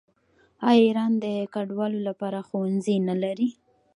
آیا ایران د کډوالو لپاره ښوونځي نلري؟